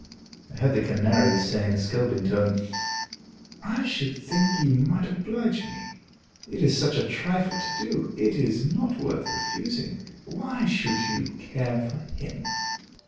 I heard the Canary say in a scolding tone, "I should think you might oblige me; it is such a trifle to do, it is not worth refusing. Why should you care for him!"